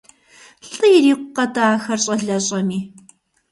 ЛӀы ирикъукъэ-тӀэ ахэр, щӀалэщӀэми!